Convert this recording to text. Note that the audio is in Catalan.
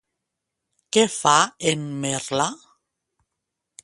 Què fa en Merla?